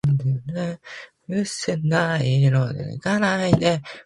石川県能美市